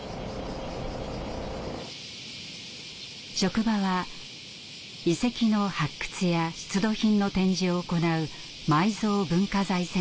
職場は遺跡の発掘や出土品の展示を行う埋蔵文化財センター。